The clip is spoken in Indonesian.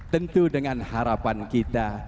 tentu dengan harapan kita